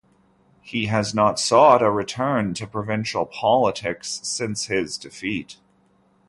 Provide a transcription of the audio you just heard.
He has not sought a return to provincial politics since his defeat.